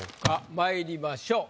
まいりましょう。